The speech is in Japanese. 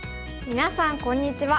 みなさんこんにちは。